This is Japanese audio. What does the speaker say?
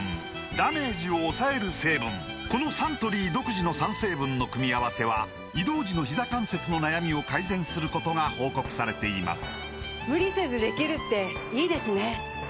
このサントリー独自の３成分の組み合わせは移動時のひざ関節の悩みを改善することが報告されています